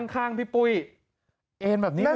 ข้างพี่ปุ้ยเอ็นแบบนี้เลย